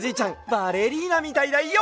バレリーナみたいだＹＯ！